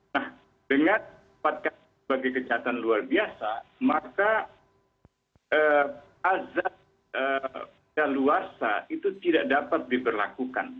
nah dengan empat kali sebagai kejahatan luar biasa maka azab dan luar sah itu tidak dapat diberlakukan